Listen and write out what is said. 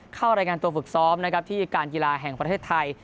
เข้ารายงานตัวฝึกซ้อมนะครับที่การกีฬาแห่งประเทศไทย